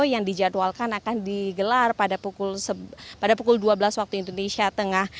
yang dijadwalkan akan digelar pada pukul dua belas waktu indonesia tengah